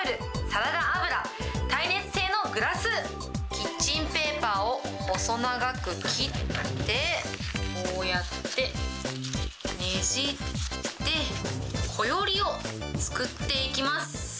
キッチンペーパーを細長く切って、こうやってねじって、こよりを作っていきます。